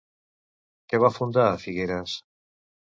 Què va fundar a Figueres?